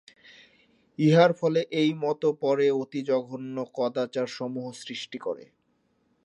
ইহার ফলে এই মত পরে অতি জঘন্য কদাচারসমূহ সৃষ্টি করে।